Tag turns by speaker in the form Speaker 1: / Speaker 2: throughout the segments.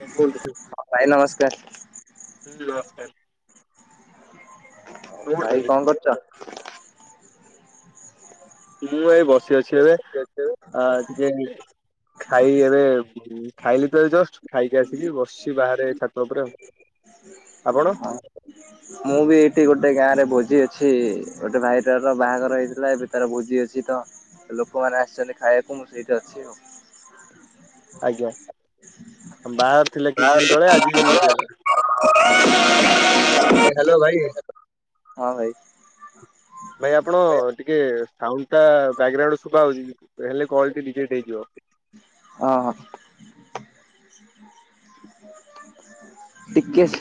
Speaker 1: ଭାଇ କୁହନ୍ତୁ
Speaker 2: ଭାଇ ନମସ୍କାର
Speaker 1: ହୁଁ ନମସ୍କାର।
Speaker 2: ଭାଇ
Speaker 1: ନମସ୍କାର
Speaker 2: କଣ କରୁଚ?
Speaker 1: ମୁଁ ଏଇ ବସି ଅଛି ଏବେ ଆ ଟିକେ ଖାଇ ଏବେ ହୁଁ ଖାଇଲି ତ ଏଇ ଜଷ୍ଟ ଖାଇକି ଆସିକି ବସଚି ବାହାରେ ଛାତ ଉପରେ ଆଉ। ଆପଣ?
Speaker 2: ହଁ। ମୁଁ ବି ଏଇଠି ଗୋଟେ ଗାଁ ରେ ଭୋଜି ଅଛି ଗୋଟେ ଭାଇଟାର ବାହାଘର ହେଇଥିଲା ଏବେ ତାର ଭୋଜି ଅଛି ତ ଲୋକମାନେ ଆସିଛନ୍ତି ଖାଇବାକୁ ମୁଁ ସେଇଠି ଅଛି ଆଉ।
Speaker 1: ଆଜ୍ଞା ବାହାଘର ଥିଲା କିଛି ଦିନ ତଳେ ଆଜି ଆରେ ହାଲୋ ଭାଇ।
Speaker 2: ହଁ ଭାଇ।
Speaker 1: ଭାଇ ଆପଣ ଟିକେ ସାଉଣ୍ଡ ଟା ବ୍ୟାକଗ୍ରାଉଣ୍ଡ ଶୁଭା ହଉଛି ହେଲେ କଲ ଟି ରିଜେକ୍ଟ ହେଇଯିବ।
Speaker 2: ଓ ହୋ। ଟିକେସ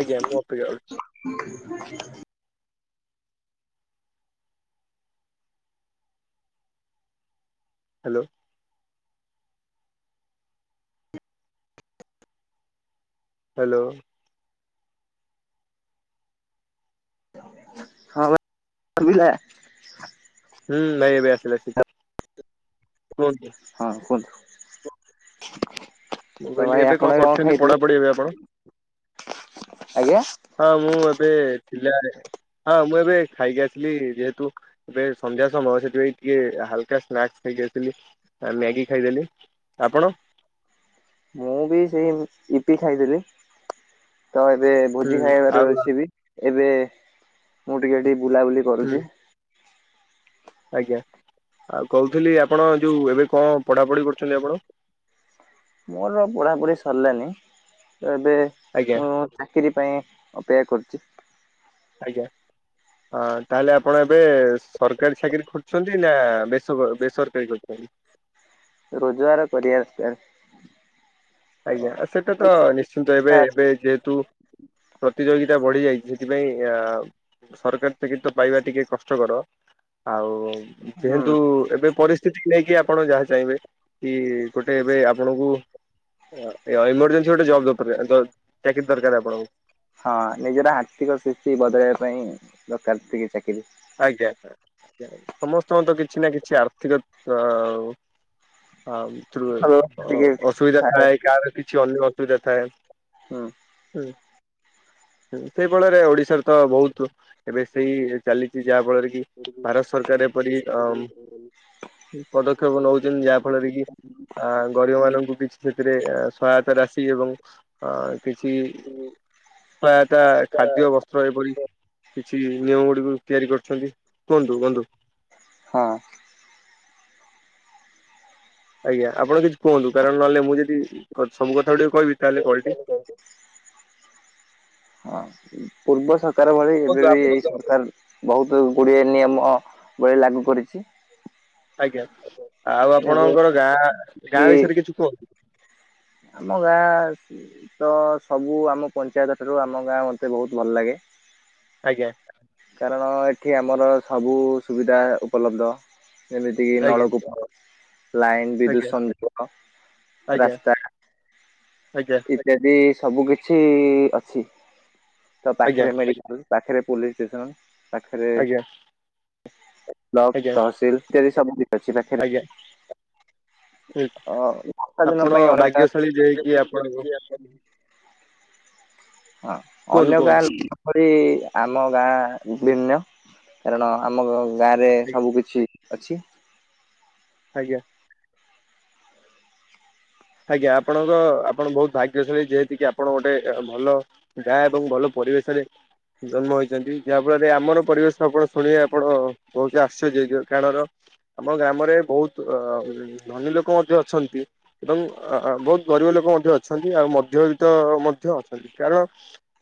Speaker 1: ଆଜ୍ଞା ମୁଁ ଅପେକ୍ଷା କରିଚି।
Speaker 2: [inaudible]
Speaker 1: ହାଲୋ। ହାଲୋ।
Speaker 2: ହଁ ଭାଇ ଶୁବିଲା।
Speaker 1: ହୁଁ ନାଇ ଏବେ ଆସିଲା ଠିକ କୁହନ୍ତୁ।
Speaker 2: ହଁ କୁହନ୍ତୁ।
Speaker 1: ମୁଁ
Speaker 2: ତ
Speaker 1: କହିଲି
Speaker 2: ଭାଇ
Speaker 1: ଏବେ
Speaker 2: ଆପଣ
Speaker 1: କଣ କରୁଚନ୍ତି
Speaker 2: ଖାଇଥିଲେ
Speaker 1: ପଢାପଢି ଏବେ ଆପଣ?
Speaker 2: ଆଜ୍ଞା।
Speaker 1: ହଁ ମୁଁ ଏବେ ଥିଲା ହଁ ମୁଁ ଏବେ ଖାଇକି ଆସିଲି ଯେହେତୁ ଏବେ ସନ୍ଧ୍ୟା ସମୟ ସେଥିପାଇଁ ଟିକେ ହାଲ୍କା ସ୍ନାକ୍ସ ଖାଇକି ଆସିଲି। ଆ ମ୍ୟାଗି ଖାଇଦେଲି ଆପଣ?
Speaker 2: ମୁଁ ବି ସେଇ ଇପି ଖାଇଥିଲି ତ ଏବେ
Speaker 1: ହୁଁ
Speaker 2: ଭୋଜି ଖାଇବାର
Speaker 1: ଆଉ
Speaker 2: ଅଛି ବି ଏବେ ମୁଁ ଟିକେ ଏଠିକ ବୁଲାବୁଲି
Speaker 1: ହୁଁ
Speaker 2: କରୁଛି।
Speaker 1: ଆଜ୍ଞା ଆଉ କହୁଥିଲି ଆପଣ ଯୋଉ ଏବେ କଣ ପଢାପଢି କରୁଛନ୍ତି ଆପଣ?
Speaker 2: ମୋର ପଢ଼ାପଢ଼ି ସରିଲାାନି ତ ଏବେ
Speaker 1: ଆଜ୍ଞା
Speaker 2: ମୁଁ ଚାକିରି ପାଇଁ ଅପେକ୍ଷା କରୁଛି।
Speaker 1: ଆଜ୍ଞା। ହଁ ତା ହେଲେ ଆପଣ ଏବେ ସରକାରୀ ବେସରକାରୀ ଚାକିରୀ ଖୋଜୁଛନ୍ତି।
Speaker 2: ରୋଜଗାର କରିବା ଦରକାର।।
Speaker 1: ଆଜ୍ଞା, ସେଇଟା ତ ନିଶ୍ଚିନ୍ତ ଏବେ
Speaker 2: ଦରକାର।
Speaker 1: -ଏବେ ଯେହେତୁ ପ୍ରତିଯୋଗିତା ବଢି ଯାଇଛି। ସେଥିପାଇଁ ଅ ସରକାର ଚାକିରି ତ ପାଇବା ଟିକେ କଷ୍ଟକର। ଆଉ
Speaker 2: ହୁଁ
Speaker 1: ଯେହେତୁ ଏବେ ପରିସ୍ଥିତିକୁ ନେଇକି ଆପଣ ଯାହା ଚାହିଁବେ। କି ଗୋଟେ ଏବେ ଆପଣଙ୍କୁ ର ରଇମୁଡ଼ରେ କିଛି ଗୋଟେ ଜବ ଦରକାର ଦ କାହିଁକି ଦରକାର ଆପଣଙ୍କୁ।
Speaker 2: ହଁ, ନିଜର ଆର୍ଥିକ ସ୍ଥିତି ବଦଳାଇବା ପାଇଁ ଦରକାର ଟିକେ ଚାକିରି।
Speaker 1: ଆଜ୍ଞା- ଆଜ୍ଞା, ସମସ୍ତଙ୍କ ତ କିଛି ନା କିଛି ଆର୍ଥିକ ହଁଥିରୁ
Speaker 2: ଭଲ ଟିକେ
Speaker 1: ଅସୁବିଧା ଥାଏ କାର କିଛି ଅନ୍ୟ ଅସୁବିଧା ଥାଏ।
Speaker 2: ହୁଁ।
Speaker 1: ହୁଁ, ସେଇ ଫଳରେ ଓଡିଶାରେ ତ ବହୁତ ଏବେ ସେଇ ଚାଲିଚି। ଯାହା ଫଳରେ କି ଭାରତ ସରକାର ଏପରି ଅ ପଦକ୍ଷେପ ନଉଚନ୍ତି ଯାହା ଫଳରେ କି ଆ ଗରିବ ମାନଙ୍କୁ କିଛି ସେଥିରେ ସହାୟତା ରାଶି ଏବଂ ଅ କିଛି ସହାୟତା ଖାଦ୍ୟ ବସ୍ତ୍ର ଯେପରି କିଛି ନିୟମ ଗୁଡ଼ିକୁ ତିଆରି କରିଛନ୍ତି। କୁହନ୍ତୁ ବନ୍ଧୁ?
Speaker 2: ହଁ।
Speaker 1: ଆଜ୍ଞା। ଆପଣ କିଛି କୁହନ୍ତୁ, କାରଣ ନହେଲେ ମୁଁ ଯଦି ସବୁ କଥା ଗୁଡେ କହିବି ତାହେଲେ କଲଟି
Speaker 2: ହଁ, ପୂର୍ବ ସରକାର ଭଳି
Speaker 1: କୁହନ୍ତୁ
Speaker 2: ଏବେ ବି
Speaker 1: ଆପଣ
Speaker 2: ଏଇ ସରକାର ବହୁତ ଗୁଡ଼ିଏ ନିୟମ ଭଳି ଲାଗୁ କରିଛି।
Speaker 1: ଆଜ୍ଞା, ଆଉ ଆପଣଙ୍କର ଗାଁ -ଗାଁ
Speaker 2: କି
Speaker 1: ବିଷୟରେ କିଛି କୁହନ୍ତୁ?
Speaker 2: ଆମ ଗାଁ ତ ସବୁ ଆମ ପଞ୍ଚାୟତଠାରୁ ଆମ ଗାଁ ମୋତେ ବହୁତ ଭଲ ଲାଗେ।
Speaker 1: ଆଜ୍ଞା।।
Speaker 2: କାରଣ ଏଠି ଆମର ସବୁ ସୁବିଧା ଉପଲବ୍ଧ। ଯେମିତିକି
Speaker 1: ଆଜ୍ଞା
Speaker 2: ନଳକୂପ, ଲାଇନ, ବିଦ୍ୟୁତ
Speaker 1: ଆଜ୍ଞା
Speaker 2: ସଂଯୋଗ,
Speaker 1: ଆଜ୍ଞା
Speaker 2: ରାସ୍ତା
Speaker 1: ଆଜ୍ଞା।
Speaker 2: ଯଦି ସବୁ କିଛି ଅଛି ‌। ତ
Speaker 1: ଆଜ୍ଞା
Speaker 2: ପାଖରେ ମେଡିକା ପାଖରେ ପୋଲିସ ଷ୍ଟେସନ, ପାଖରେ
Speaker 1: ଆଜ୍ଞା
Speaker 2: କ୍ଲବ,
Speaker 1: ଆଜ୍ଞା
Speaker 2: ତହସିଲ ଇତ୍ୟାଦି [unintelligible]
Speaker 1: ଆଜ୍ଞା,
Speaker 2: ଅ ବର୍ଷା ଦିନ
Speaker 1: ଆପଣ
Speaker 2: ପାଇଁ ଅନେକ ଗାଁ
Speaker 1: ଭାଗ୍ୟଶାଳୀ ଯେକି ଆପଣଙ୍କୁ
Speaker 2: ହଁ
Speaker 1: କୁହନ୍ତୁ
Speaker 2: ଅନ୍ୟ ଗାଁ
Speaker 1: କୁହନ୍ତୁ
Speaker 2: ଲୋକ ଯେପରି ଆମ ଗାଁ ଭିନ୍ନ କାରଣ ଆମ ଗାଁ ରେ
Speaker 1: ଆଜ୍ଞା
Speaker 2: ସବୁ କିଛି ଅଛି।
Speaker 1: ଆଜ୍ଞା। ଆଜ୍ଞା, ଆପଣଙ୍କ ଆପଣ ବହୁତ ଭାଗ୍ୟଶାଳୀ। ଯେହେତ କିି ଆପଣ ଗୋଟେ ଭଲ ଗାଁ ଏବଂ ଭଲ ପରିବେଶରେ ଜନ୍ମ ହେଇଛନ୍ତି ‌। ଯାହା ଫଳରେ ଆମର ପରିବେଶ ଆପଣ ଶୁଣିବେ ଆପଣ ବହୁତ ଆଶ୍ଚର୍ଯ୍ୟ ହେଇଯିବ କାରଣ। ଆମ ଗ୍ରାମରେ ବହୁତ ଧନୀ ଲୋକ ମଧ୍ୟ ଅଛନ୍ତି ଏବଂ ବହୁତ ଗରିବ ଲୋକ ମଧ୍ୟ ଅଛନ୍ତି ଆଉ ମଧ୍ୟବିତ୍ତ ମଧ୍ୟ ଅଛନ୍ତି କାରଣ।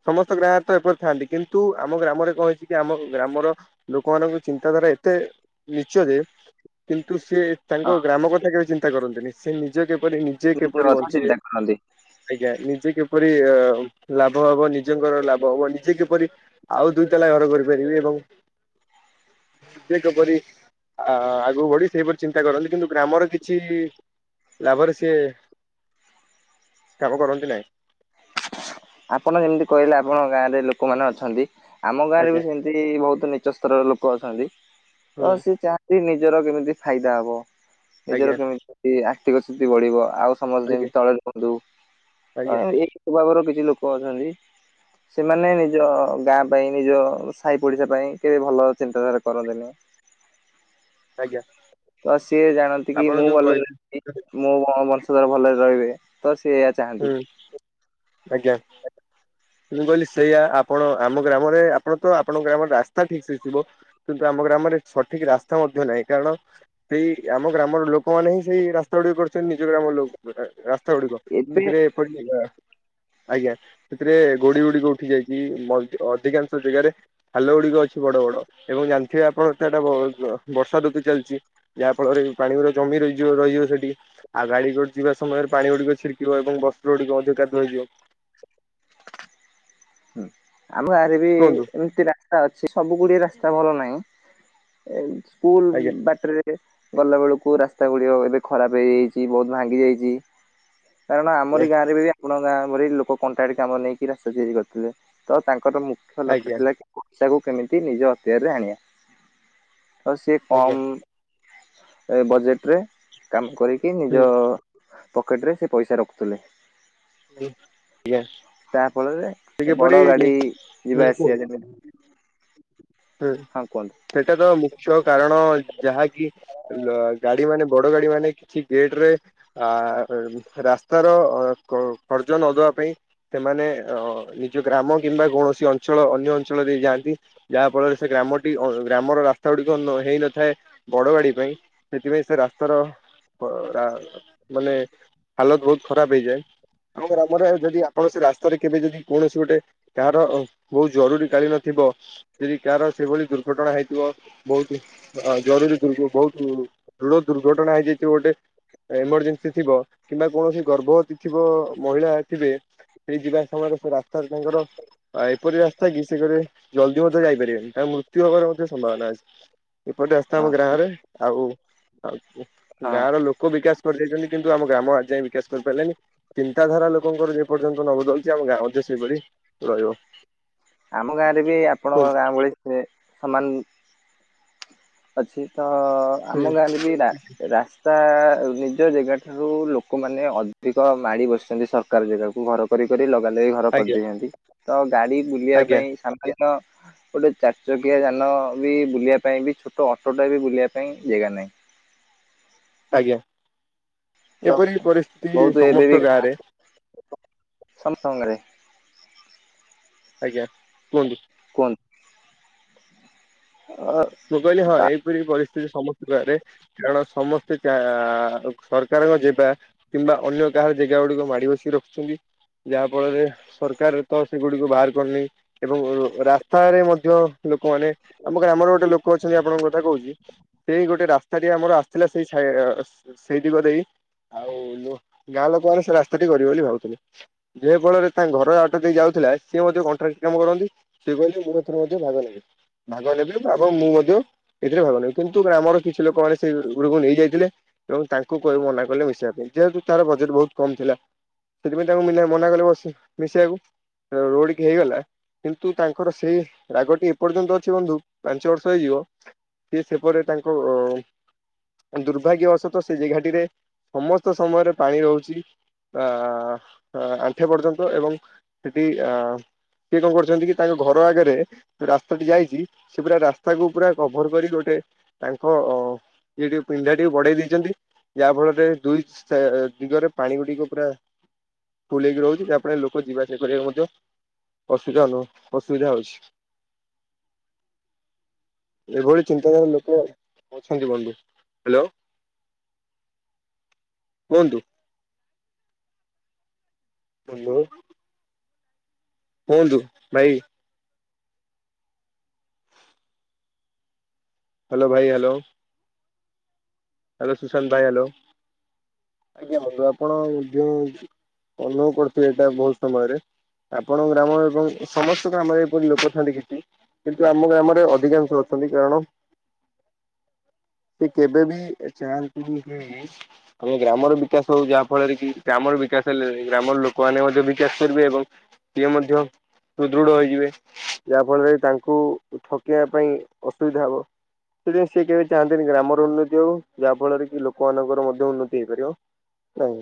Speaker 1: ସମସ୍ତ ଗାଁ ରେ ତ ଏପରି ଥାଆନ୍ତି କିନ୍ତୁ, ଆମ ଗ୍ରାମରେ କଣ ହେଇଛି କି ଆମ ଗ୍ରାମର ଲୋକମାନଙ୍କ ଚିନ୍ତାଧାରା ଏତେ ନିଚ ଯେ କିନ୍ତୁ ସେ
Speaker 2: ହଁ
Speaker 1: ତାଙ୍କ ଗ୍ରାମ କଥା କେବେ ଚିନ୍ତା କରନ୍ତିନି। ସେ ନିଜ କେ କିପରି ନିଜେ
Speaker 2: ନିଜ
Speaker 1: କିପରି
Speaker 2: କଥା
Speaker 1: ବଞ୍ଚିବେ?
Speaker 2: ଚିନ୍ତା କରନ୍ତି
Speaker 1: ଆଜ୍ଞା, ନିଜେ କିପରି ଅ ଲାଭ ହବ ନିଜଙ୍କର ଲାଭ ହବ, ନିଜେ କିପରି ଆଉ ଦୁଇ ତାଲା ଘର କରିପାରିବି ଏବଂ ନିଜେ କିପରି ଆ ଆଗକୁ ବଢି ସେଇପରି ଚିନ୍ତା କରନ୍ତି କିନ୍ତୁ ଗ୍ରାମର କିଛି ଲାଭର ସିଏ କାମ କରନ୍ତି ନାହିଁ।
Speaker 2: ଆପଣ ଯେମିତି କହିଲେ ଆପଣ ଗାଁ ରେ ଲୋକମାନେ ଅଛନ୍ତି। ଆମ ଗାଁରେ ବି
Speaker 1: ଆଜ୍ଞା
Speaker 2: ସେମ ତି ବହୁତ ନିଚ ସ୍ତରର ଲୋକ ଅଛନ୍ତି। ତ
Speaker 1: ହୁଁ
Speaker 2: ସିଏ ଚାହାନ୍ତି ନିଜର କେମିତି ଫାଇଦା ହବ। ନିଜର
Speaker 1: ଆଜ୍ଞା
Speaker 2: କେମିତି ଆର୍ଥିକ ସ୍ଥିତି ବଢିବ ଆଉ ସମସ୍ତେ
Speaker 1: ଆଜ୍ଞା
Speaker 2: ଯେମତି ତଳେ ରୁହନ୍ତୁ ତ
Speaker 1: ଆଜ୍ଞା।
Speaker 2: ଏଇ ସ୍ଵଭାଵର କିଛି ଲୋକ ଅଛନ୍ତି। ସେମାନେ ନିଜ ଗାଁ ପାଇଁ ନିଜ ସାହି ପଡିଶା ପାଇଁ କେବେ ଭଲ ଚିନ୍ତାଧାରା କରନ୍ତିନି।
Speaker 1: ଆଜ୍ଞା।
Speaker 2: ତ ସିଏ ଜାଣନ୍ତି କି
Speaker 1: ଆପଣ
Speaker 2: ମୁଁ
Speaker 1: ଯୋଉ
Speaker 2: ଭଲ
Speaker 1: କହିଲେ
Speaker 2: ରେ ମୁଁ ମୋ ବଂଶଧର ଭଲରେ ରହିବେ ତ ସେ
Speaker 1: ହୁଁ
Speaker 2: ଚାହାନ୍ତି
Speaker 1: ଆଜ୍ଞା। ମୁଁ କହିଲି ସେଇଆ ଆପଣ ଆମ ଗ୍ରାମରେ ଆପଣ ତ ଆପଣଙ୍କ ଗ୍ରାମରେ ରାସ୍ତା ଠିକ ସେ ଥିବ। କିନ୍ତୁ ଆମ ଗ୍ରାମରେ ସଠିକ ରାସ୍ତା ମଧ୍ୟ ନାହିଁ କାରଣ ସେଇ ଆମ ଗ୍ରାମର ଲୋକମାନେ ହିଁ ସେଇ ରାସ୍ତା ଗୁଡିକ କରୁଛନ୍ତି ନିଜ ଗ୍ରାମ ଲୋକ ରାସ୍ତା ଗୁଡିକ।
Speaker 2: ଏବେ
Speaker 1: ସେଥିରେ ପଡ଼ିଲା। ଆଜ୍ଞା ସେଥିରେ ଗୋଡି ଗୁଡିିକ ଉଠି ଯାଇକି ଅଧି ଅଧିକାଂଶ ଜେଗାରେ ଖାଲ ଗୁଡିକ ଅଛି ବଡ ବଡ ଏବଂ ଜାଣିଥିବେ ଆପଣ ଏତଟା ବର୍ଷା ଋତୁ ଚାଲିଛି। ଯାହା ଫଳରେ ପାଣି ଗୁରା ଜମି ରହିିଯିବ ରହିବ ସେଠି ଆଉ ଗାଡି ଯିବା ସମୟରେ ପାଣି ଗୁଡିକ ଛିିକ ପିବ ଏବଂ ବସ୍ତ୍ର ଗୁଡିକ ଅଧିକ କାଦୁଅ ହେଇଯିବ।
Speaker 2: ହୁଁ ଆମ ଗାଁ ରେ ବି
Speaker 1: କୁହନ୍ତୁ।
Speaker 2: ଏମିତି ରାସ୍ତା ଅଛି ସବୁ ଗୁଡିଏ ରାସ୍ତା ଭଲ ନାହିଁ। ଏଇ ସ୍କୁଲ
Speaker 1: ଆଜ୍ଞା
Speaker 2: ବାଟରେ ଗଲା ବେଳକୁ ରାସ୍ତା ଗୁଡିକ ଏବେ ଖରାପ ହେଇଯାଇଛି ବହୁତ ଭାଙ୍ଗି ଯାଇଛି। କାରଣ
Speaker 1: ଆଜ୍ଞା
Speaker 2: ଆମରି ଗାଁରେ ବି ଆପଣ ଗାଁରେ ଭଳି ଲୋକ କଣ୍ଟ୍ରା ଟି କାମ ନେଇକି ରାସ୍ତା ତିଆରି କରିଛନ୍ତି। ଥିଲେ ତ ତାଙ୍କର ମୁଖ୍ୟ ଲକ୍ଷ୍ୟ
Speaker 1: ଆଜ୍ଞା
Speaker 2: ଥିଲା ପଇସାକୁ କେମିତି ନିଜ ଅକ୍ତିଆରରେ ଆଣିବା। ଆଉ ସି
Speaker 1: ଆଜ୍ଞା।
Speaker 2: କମ୍ ବଜେଟରେ କାମ କରି କି
Speaker 1: ହୁଁ
Speaker 2: ନିଜ ପକେଟ ରେ ସେ ପଇସା ରଖୁଥିଲେ। ଯାହା ଫଳରେ
Speaker 1: ଆଜ୍ଞା। ସେ କିପରି
Speaker 2: ବଡ ଗାଡି
Speaker 1: ନି- ହୁଁ
Speaker 2: ଯିବା ଆସିବା
Speaker 1: କୁହନ୍ତୁ
Speaker 2: ଯେମିତି
Speaker 1: ହୁଁ
Speaker 2: ହଁ କୁହନ୍ତୁ
Speaker 1: ସେଟା ତ ମୁଖ୍ୟ କାରଣ ଯାହାକି ଲ ଗାଡି ମାନେ ବଡ ଗାଡି ମାନେ କିଛି ଗେଟ ରେ ଆ ରାସ୍ତାର ଖର୍ଚ୍ଚ ନଦବା ପାଇଁ। ସେମାନେ ଅ ନିଜ ଗ୍ରାମ କିମ୍ବା କୌଣସି ଅଞ୍ଚଳ ଅନ୍ୟ ଅଞ୍ଚଳ ଦେଇ ଯାଆନ୍ତି। ଯାହା ଫଳରେ ସେ ଗ୍ରାମଟି ଗ୍ରାମର ରାସ୍ତା ଗୁଡିକ ହେଇନଥାଏ। ବଡ ଗାଡି ପାଇଁ ସେଥିପାଇଁ ସେ ରାସ୍ତାର ଅ ରା ମାନେ ହାଲତ ବହୁତ ଖରାପ ହେଇଯାଏ। ଆମ ଆମର ଯଦି ଆପଣ ସେ ରାସ୍ତାରେ କେବେ ଯଦି କୌଣସି ଗୋଟେ କାହାର ବହୁତ ଜରୁରୀ କାଳୀନ ଥିବ। ଯଦି କାହାର ସେଇଭଳି ଦୁର୍ଘଟଣା ହେଇଥିବ। ବହୁତ ହଁ ଜରୁରୀ ଦୁର୍ଘ ବହୁତ ଦୃଢ ଦୁର୍ଘଟଣା ହେଇଯାଇଥିବ ଗୋଟେ। ଏମର୍ଜେନ୍ସି ଥିବ କିମ୍ବା କୌଣସି ଗର୍ଭବତୀ ଥିବ ମହିଳା ଥିବେ ସେଇ ଯିବା ସମୟରେ ସେ ରାସ୍ତାରେ ତାଙ୍କର ଏପରି ରାସ୍ତା କି ସେ ଗୋଟେ ଜଲଦି ଦି ମଧ୍ୟ ଯାଇପାରିବେନି। ତାଙ୍କ ମୃତ୍ୟୁ ହବାର ମଧ୍ୟ ସମ୍ଭାବନା ଅଛି। ଏପଟେ ଆସିଥା ଆମ
Speaker 2: ହଁ
Speaker 1: ଗାଁ ରେ ଆଉ ଆଉ
Speaker 2: ହଁ
Speaker 1: ଗାଁର ଲୋ କ ବିକାଶ କରିଦେଇଚନ୍ତି କିନ୍ତୁ ଆମ ଗ୍ରାମ ଆଜି ଯାଇଁ ବିକାଶ କରିପାରିଲାନି। ଚିନ୍ତାଧାରା ଲୋକଙ୍କର ଯେ ପର୍ଯ୍ୟନ୍ତ ନ ବଦଳଚି ଆମ ଗାଁ ମଧ୍ୟ ସେଇଭଳି ରହିବ।
Speaker 2: ଆମ ଗାଁ ରେ ବି ଆପଣଙ୍କ
Speaker 1: କୁହନ୍ତୁ।
Speaker 2: ଗାଁ ଭଳି ସେ ସମାନ ଅଛି ତ ଆମ ଗାଁରେ ବି ରା ରାସ୍ ତା ନିଜ ଜାଗା ଠାରୁ ଲୋକମାନେ ଅଧିକ ମାଡ଼ି ବସିଚନ୍ତି ସରକାର ଜାଗାକୁ ଘର କରି କରି ଲଗା ଲଗି ଘର
Speaker 1: ଆଜ୍ଞା
Speaker 2: କରିଦେଇଚନ୍ତି ତ ଗାଡି ବୁଲିବା
Speaker 1: ଆଜ୍ଞା
Speaker 2: ପାଇଁ ସା ଆ ମ ଗୋଟେ ଚାରଚକିଆ ଯାନ ବି ବୁଲିବା ପାଇଁ ବି ଛୋଟ ଟ ଅଟୋ ଟା ବି ବୁଲିବା ପାଇଁ ଜାଗା ନାହିଁ।
Speaker 1: ଆଜ୍ଞା
Speaker 2: ତ
Speaker 1: ଏପରି ପରିସ୍ଥିତି ସମସ୍ତ ଗାଁ ରେ।
Speaker 2: ସମ ସଙ୍ଗରେ।
Speaker 1: ଆଜ୍ଞା କୁହନ୍ତୁ।
Speaker 2: କୁହନ୍ ହ
Speaker 1: ମୁ କହିଲି ହଁ ଏଇପରି ପରିସ୍ଥିତି ସମସ୍ତଙ୍କ ଗାଁ ରେ। କାରଣ ସମସ୍ତେ ଚା ସରକାରଙ୍କ ଯିବା କିମ୍ବା ଅନ୍ୟ କାହାର ଜାଗା ଗୁଡିକ ମାଡି ବସିକି ରଖୁଚନ୍ତି। ଯାହା ଫଳରେ ସରକାର ତ ସେଗୁଡିକୁ ବାହାର କରିନି ଏବଂ ରାସ୍ତାରେ ମଧ୍ୟ ଲୋକମାନେ ଆମର ଆମର ଗୋଟେ ଲୋକ ଅଛନ୍ତି ଆପଣଙ୍କୁ କଥା କହୁଚି। ସେଇ ଗୋଟେ ରାସ୍ତାଟି ଆମର ଆସିଥିଲା ସେଇ ସା ସେଇ ଦିଗ ଦେଇ। ଆଉ ମୋ ଗାଁ ଲୋକମାନେ ସେ ରାସ୍ତା ଟି କରିବେ ବୋଲି ଭାବୁଥିଲେ। ଯେ ଫଳରେ ତାଙ୍କ ଘର ଆଟ ଦେଇ ଯାଉଥିଲା ସିଏ ମଧ୍ୟ କଣ୍ଟ୍ରାକ୍ଟଇ କାମ କରନ୍ତି। ସିଏ କହିଲେ ମୁଁ ଏଥର ମଧ୍ୟ ଭାଗ ନେବି। ଭାଗ ନେଲେ ଭାଗ ଏବଂ ମୁଁ ମଧ୍ୟ ଏଥିରେ ଭାଗ ନେବି କିନ୍ତୁ ଗ୍ରାମର କିଛି ଲୋକମାନେ ସେ ଗୁଡିକୁ ନେଇଯାଇଥିଲେ। ଏବଂ ତାଙ୍କୁ କହି ମନା କଲେ ମିଶିବା ପାଇଁ। ଯେହେତୁ ତାର ବଜେଟ ବହୁତ କମ୍ ଥିଲା। ସେଥିପାଇଁ ତାଙ୍କୁ ମୀନା ମନା କଲେ ବସ ମିଶିବାକୁ। ଅ ରୋଡି ଟି ହେଇଗଲା କିନ୍ତୁ ତାଙ୍କର ସେଇ ରାଗଟି ଏପର୍ଯ୍ୟନ୍ତ ଅଛି ବନ୍ଧୁ ପାଞ୍ଚ ବର୍ଷ ହେଇଯିବ ସେ ସେପରି ତାଙ୍କ ଅ ଦୁର୍ଭାଗ୍ୟବଶତଃ ସେ ଜେଘାଟିରେ ସମସ୍ତ ସମୟରେ ପାଣି ରହୁଚି। ଅ ଆଣ୍ଠେ ପର୍ଯ୍ୟନ୍ତ ଏବଂ ସେଠି ଅ କିଏ କଣ କରୁଚନ୍ତି କି ତାଙ୍କ ଘର ଆଗରେ ଯୋଉ ରାସ୍ତା ଟି ଯାଇଚି ସେ ପୁରା ରାସ୍ତାକୁ ପୁରା କଭର କରିକି ଗୋଟେ ତାଙ୍କ ଅ ୟେ ଟିକେ ପିଣ୍ଢା ଟିକେ ବଢେଇ ଦେଇଚନ୍ତି। ଯାହା ଫଳରେ ଦୁଇ ସା ଦିଗରେ ପାଣି ଗୁଡିକ ପୁରା ଫୁଲ ହେଇକି ରହୁଚି, ଯାହାଫଳରେ ଲୋକ ଯିବାଆସିବା କରିବାକୁ ମଧ୍ୟ ଅସୁବିଧା ଅସୁବିଧା ହଉଚି। ଏଭଳି ଚିନ୍ତାଧାରା ଲୋକ ଅଛନ୍ତି ବନ୍ଧୁ। ହ୍ୟାଲୋ। କୁହନ୍ତୁ। ହଲୋ। କୁହନ୍ତୁ ଭାଇ। ହ୍ୟାଲୋ ଭାଇ ହ୍ୟାଲୋ। ହଲୋ ସୁଶାନ୍ତ ଭାଇ ହଲୋ ଆଜ୍ଞା ବନ୍ଧୁ ଆପଣ ଯଉ ଅନୁଭବ କରୁଥିଲିଏଇଟା ବହୁତ ସମୟରେ ଆପଣଙ୍କ ଗ୍ରାମ ଏବଂ ସମସ୍ତ ଗ୍ରାମରେ ଏପରି ଲୋକ ଥାନ୍ତି କିଛି। କିନ୍ତୁ ଆମ ଗ୍ରାମରେ ଅଧିକାଂଶ ଅଛନ୍ତି କାରଣ ସେ କେବେବି ଚାଲ ତୁହେ।
Speaker 2: ହ [unintelligible]
Speaker 1: ଆମେ ଗ୍ରାମର ବିକାଶ ହଉ ଯାହା ଫଳରେ କି ଗ୍ରାମର ବିକାଶ ହେଲେ ଗ୍ରାମର ଲୋକମାନେ ମଧ୍ୟ ବିକାଶ କରିବେ ଏବଂ ଇଏମଧ୍ୟ। ସୁଦୃଢ ହେଇଯିବେ ଯାହା ଫଳରେ ତାଙ୍କୁ ଠକେଇବା ପାଇଁ ଅସୁବିଧା ହବ। ସେଥିପାଇଁ ସେ କେବେ ଚାହାନ୍ତିନି ଗ୍ରାମର ଉନ୍ନତି ହେଉ। ଯାହା ଫଳରେ କି ଲୋକମାନଙ୍କର ମଧ୍ୟ ଉନ୍ନତି ହେଇପାରିବ।